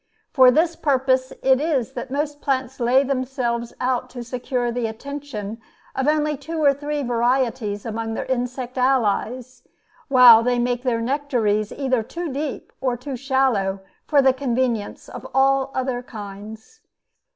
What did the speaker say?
For this purpose it is that most plants lay themselves out to secure the attention of only two or three varieties among their insect allies, while they make their nectaries either too deep or too shallow for the convenience of all other kinds.